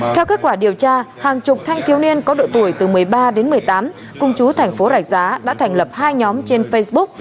theo kết quả điều tra hàng chục thanh thiếu niên có độ tuổi từ một mươi ba đến một mươi tám cùng chú thành phố rạch giá đã thành lập hai nhóm trên facebook